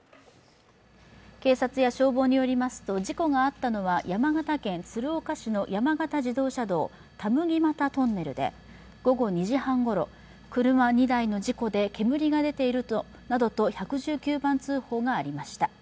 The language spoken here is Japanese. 警察や消防によりますと、事故があったのは山形県鶴岡市の山形自動車道・田麦俣トンネルで、午後２時半ごろ、車２台の事故で煙が出ているなどと１１９番通報がありました。